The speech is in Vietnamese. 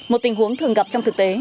một tình huống thường gặp trong thực tế